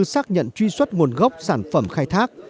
xác nhận truy xuất nguồn gốc sản phẩm khai thác